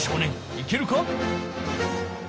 いけるか？